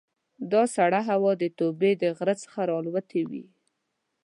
دا سړه هوا د توبې د غره څخه را الوتې وي.